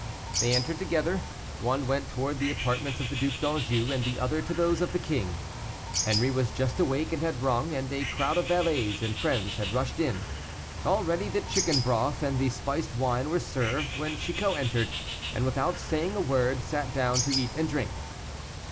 They entered together; one went towards the apartments of the Duc d'Anjou, and the other to those of the king. Henri was just awake, and had rung, and a crowd of valets and friends had rushed in; already the chicken broth and the spiced wine were served, when Chicot entered, and without saying a word, sat down to eat and drink.